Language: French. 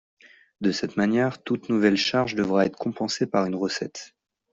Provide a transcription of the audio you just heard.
De cette manière, toute nouvelle charge devra être compensée par une recette.